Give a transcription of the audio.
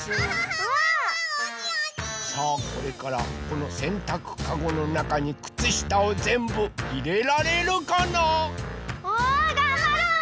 さあこれからこのせんたくカゴのなかにくつしたをぜんぶいれられるかな？わがんばる！